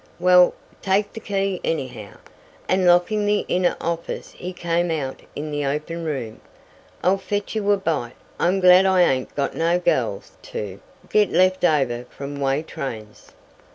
"Well, take the key anyhow," and locking the inner office he came out in the open room. "I'll fetch you a bite I'm glad I ain't got no gals to get left over from way trains."